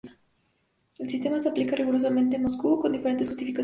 El sistema se aplica rigurosamente en Moscú con diferentes justificaciones.